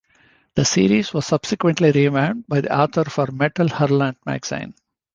The series was subsequently revamped by the author for "Metal Hurlant" magazine.